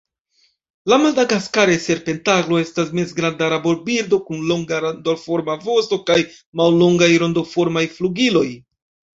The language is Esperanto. La Madagaskara serpentaglo estas mezgranda rabobirdo kun longa rondoforma vosto kaj mallongaj rondoformaj flugiloj.